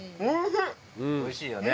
おいしいよね。